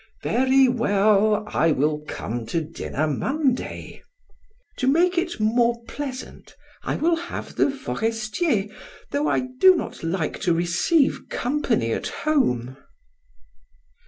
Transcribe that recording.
"Very well, I will come to dinner Monday." "To make it more pleasant, I will have the Forestiers, though I do not like to receive company at home."